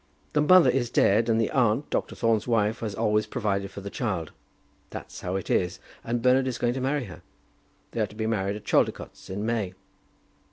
The mother is dead, and the aunt, Dr. Thorne's wife, has always provided for the child. That's how it is, and Bernard is going to marry her. They are to be married at Chaldicotes in May."